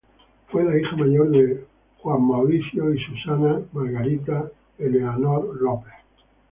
Fue la hija mayor de John Maurice y Susannah Margaret Eleanor Franklin.